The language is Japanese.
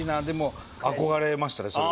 でも憧れましたね